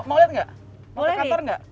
mau liat gak mau ke kantor gak